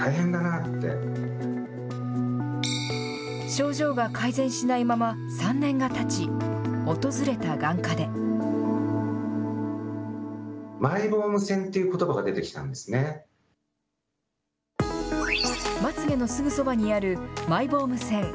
症状が改善しないまま、３年がたち、訪れた眼科で。まつ毛のすぐそばにあるマイボーム腺。